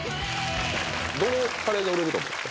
どのカレーが売れると思った？